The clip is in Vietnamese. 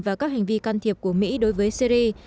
và các hành vi can thiệp của mỹ đối với syri